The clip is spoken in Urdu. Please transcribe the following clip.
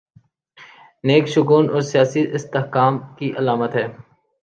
نیک شگون اور سیاسی استحکام کی علامت ہے۔